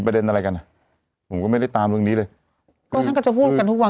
ประเด็นอะไรกันอ่ะผมก็ไม่ได้ตามเรื่องนี้เลยก็ท่านก็จะพูดกันทุกวัน